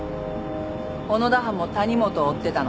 小野田班も谷本を追ってたのね。